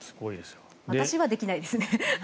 私はできないです。